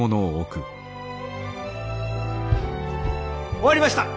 終わりました。